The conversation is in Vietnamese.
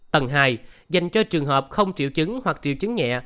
tầng hai dành cho trường hợp không triệu chứng hoặc triệu chứng nhẹ